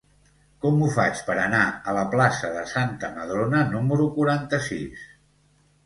Com ho faig per anar a la plaça de Santa Madrona número quaranta-sis?